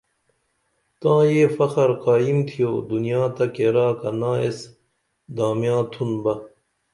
تاں یہ فخر قائم تِھیو دنیا تہ کیرا کنا ایس دامیاں تُھن بہ